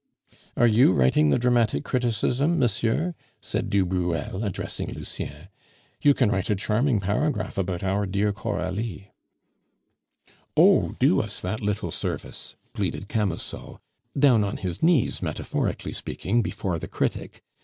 "Are you writing the dramatic criticism, monsieur?" said du Bruel, addressing Lucien; "you can write a charming paragraph about our dear Coralie." "Oh! do us that little service!" pleaded Camusot, down on his knees, metaphorically speaking, before the critic.